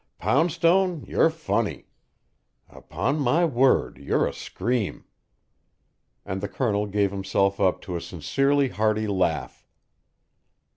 Poundstone, you're funny. Upon my word, you're a scream." And the Colonel gave himself up to a sincerely hearty laugh.